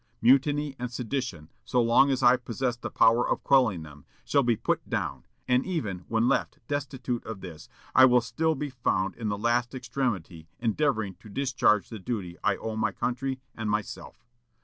Mutiny and sedition, so long as I possess the power of quelling them, shall be put down; and even when left destitute of this, I will still be found in the last extremity endeavoring to discharge the duty I owe my country and myself."